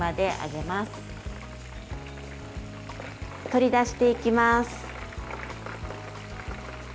取り出していきます。